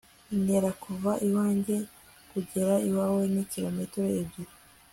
intera kuva iwanjye kugera iwawe ni kilometero ebyiri